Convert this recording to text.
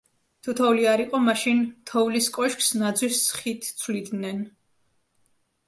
თუ თოვლი არ იყო, მაშინ თოვლის კოშკს ნაძვის ხით ცვლიდნენ.